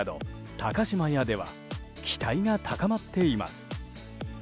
高島屋では期待が高まっています。